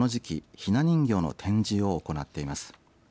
ひな人形の展示を行っています。